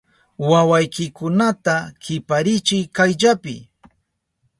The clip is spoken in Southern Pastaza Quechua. ¡Wawaykikunata kiparichiy kayllapi!